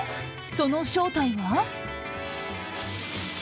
その正体は？